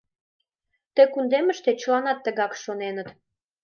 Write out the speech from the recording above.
Ты кундемыште чыланат тыгак шоненыт.